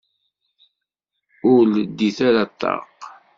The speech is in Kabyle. Ur leddit ara ṭṭaq.